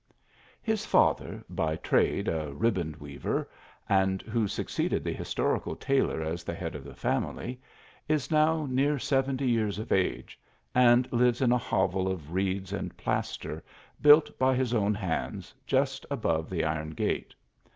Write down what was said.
His father, by ti ade a riband weaver, and who succeeded the histor ical tailor as the head of the family, is now near seventy years of age, and lives in a hovel of reeds and plaster, built by his own hands, just, above the iron gate.